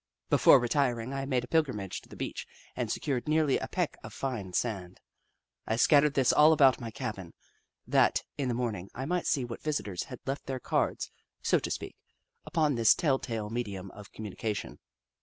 Before retiring, I made a pilgrimage to the beach and secured nearly a peck of fine sand. I scattered this all about my cabin, that in the morning I might see what visitors had left their cards, so to speak, upon this tell tale medium of communication.